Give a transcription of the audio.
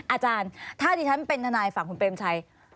อาจารย์ถ้าดิฉันเป็นทนายฝั่งคุณเปรมชัย